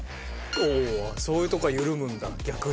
おおそういうとこが緩むんだ逆に。